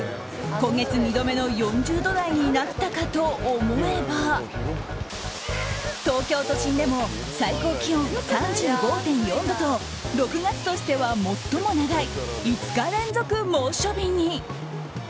今月２度目の４０度台になったかと思えば東京都心でも最高気温３５．４度と６月としては最も長い５日連続猛暑日に。